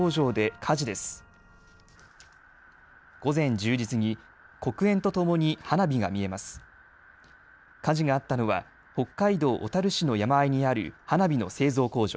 火事があったのは北海道小樽市の山あいにある花火の製造工場。